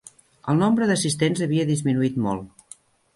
El nombre d'assistents havia disminuït molt.